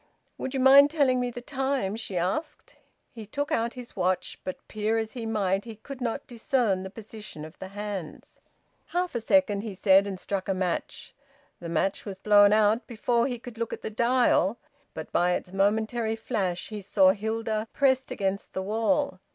"Would you mind telling me the time?" she asked. He took out his watch, but peer as he might, he could not discern the position of the hands. "Half a second," he said, and struck a match. The match was blown out before he could look at the dial, but by its momentary flash he saw Hilda, pressed against the wall.